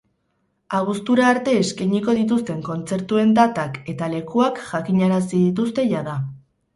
Abuztura arte eskainiko dituzten kontzertuen datak eta lekuak jakinarazi dituzte jada.